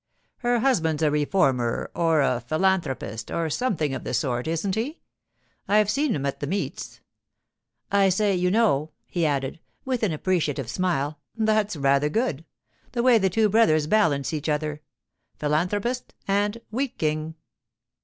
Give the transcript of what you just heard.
Her husband's a reformer or a philanthropist, or something of the sort, isn't he? I've seen him at the meets. I say, you know,' he added, with an appreciative smile, 'that's rather good, the way the two brothers balance each other. Philanthropist and Wheat King!